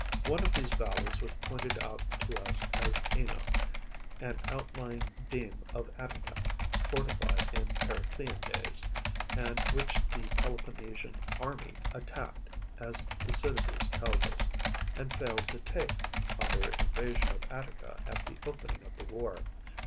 One of these valleys was pointed out to us as Ňínoe, an outlying deme of Attica, fortified in Periclean days, and which the Peloponnesian army attacked, as Thucydides tells us, and failed to take, on their invasion of Attica at the opening of the war.